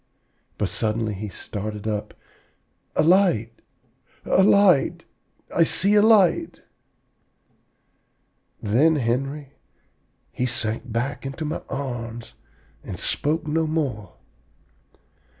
But suddenly he started up, 'A light, a light! I see a light!' Then, Henry, he sank back into my arms and spoke no more.